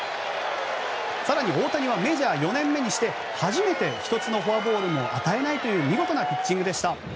更に大谷はメジャー４年目にして初めて１つのフォアボールも与えないという見事なピッチングでした。